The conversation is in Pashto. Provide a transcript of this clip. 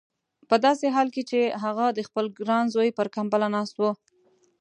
په داسې حال کې چې هغه د خپل ګران زوی پر کمبله ناست و.